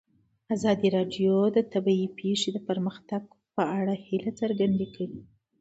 ازادي راډیو د طبیعي پېښې د پرمختګ په اړه هیله څرګنده کړې.